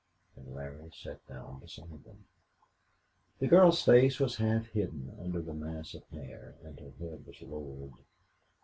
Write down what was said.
And Larry sat down beside them. The girl's face was half hidden under the mass of hair, and her head was lowered.